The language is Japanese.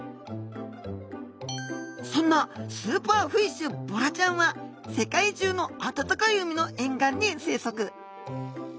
そんなスーパーフィッシュボラちゃんは世界中の暖かい海の沿岸に生息。